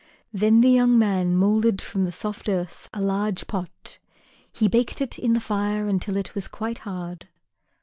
Then the young man moulded from the soft earth a large pot. He baked it in the fire until it was quite hard.